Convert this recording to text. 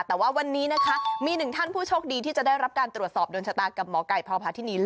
แต่ว่าวันนี้นะคะมีหนึ่งท่านผู้โชคดีที่จะได้รับการตรวจสอบโดนชะตากับหมอไก่พพาธินี